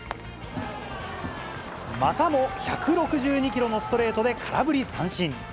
またも１６２キロのストレートで空振り三振。